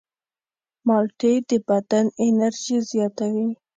مالټې د بدن انرژي زیاتوي.